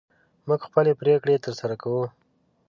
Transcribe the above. موږ خپلې پرېکړې تر سره کوو.